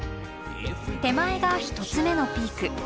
手前が１つ目のピーク。